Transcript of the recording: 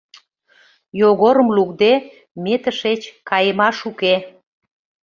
Йогорым лукде, ме тышеч кайымаш уке.